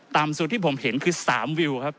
ตามสูตรที่ผมเห็นคือ๓วิวครับ